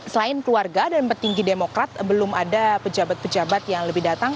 selain keluarga dan petinggi demokrat belum ada pejabat pejabat yang lebih datang